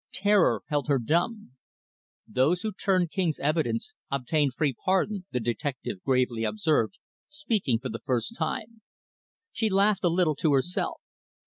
Terror held her dumb. "Those who turn King's evidence obtain free pardon," the detective gravely observed, speaking for the first time. She laughed a little to herself.